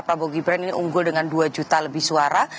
prabowo gibran ini unggul dengan dua juta lebih suara